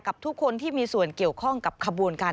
กับทุกคนที่มีส่วนเกี่ยวข้องกับขบวนการ